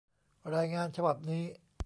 รายงานฉบับนี้